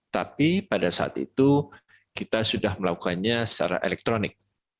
tapi pada saat itu kita sudah melakukannya secara elektronik